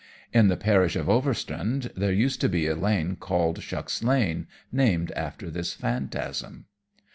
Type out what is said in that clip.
In the parish of Overstrand, there used to be a lane called "Shuck's Lane," named after this phantasm.